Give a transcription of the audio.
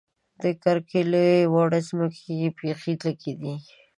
د کرکیلې وړ ځمکې یې بېخې لږې دي.